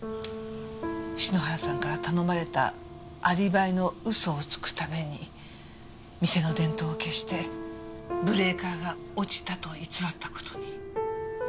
篠原さんから頼まれたアリバイの嘘をつくために店の電灯を消してブレーカーが落ちたと偽った事に。